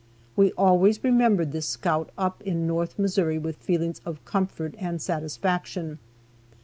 We always remembered this scout up in north Missouri with feelings of comfort and satisfaction.